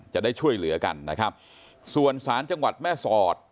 จะได้ช่วยเหลือกันนะครับส่วนสารจังหวัดแม่สอด